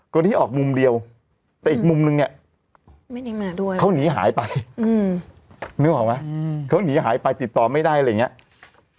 คนที่ออกมุมเดียวแต่อีกมุมนึงเนี่ยไม่ได้มาด้วยเขาหนีหายไปนึกออกไหมเขาหนีหายไปติดต่อไม่ได้อะไรอย่างนี้